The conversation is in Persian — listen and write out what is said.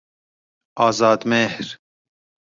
آزادمهر